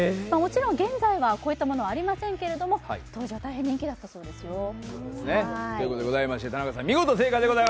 もちろん現在はこういったものはありませんけれども当時は大変人気だったそうですよ。